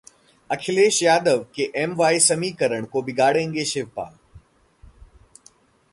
अखिलेश यादव के M-Y समीकरण को बिगाड़ेंगे शिवपाल?